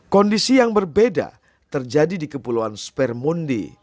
kondisi yang berbeda terjadi di kepulauan spermundi